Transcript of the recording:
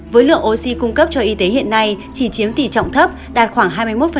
với lượng oxy cung cấp cho y tế hiện nay chỉ chiếm tỷ trọng thấp đạt khoảng hai mươi một